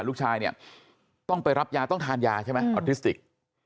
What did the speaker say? ลูกชายเนี่ยต้องไปรับยาต้องทานยาใช่ไหมออทิสติก